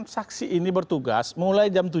saksi ini bertugas mulai jam tujuh